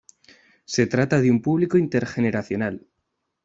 Se trata de un público intergeneracional.